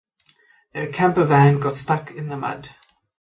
Their camper van got stuck in the mud.